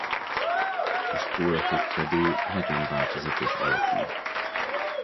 A spóratok fedő nagyon változatos alakú.